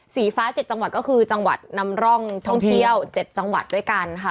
สีฟ้า๗จังหวัดก็คือจังหวัดนำร่องท่องเที่ยว๗จังหวัดด้วยกันค่ะ